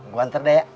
gua antar deh ya